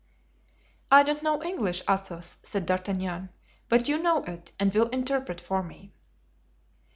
"I don't know English, Athos," said D'Artagnan; "but you know it and will interpret for me."